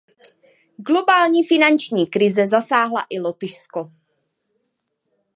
Globální finanční krize zasáhla i Lotyšsko.